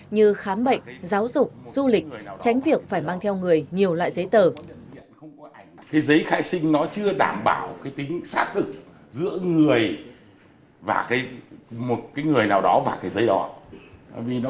như khám bệnh giáo dục du lịch tránh việc phải mang theo người nhiều loại giấy tờ